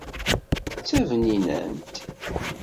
D tabninant!